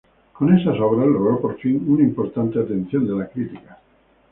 Con esas obras logró por fin una importante atención de la crítica.